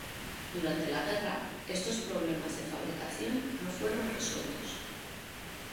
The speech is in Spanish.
Durante la guerra, estos problemas de fabricación no fueron resueltos.